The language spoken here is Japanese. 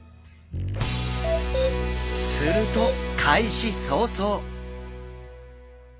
すると開始早々！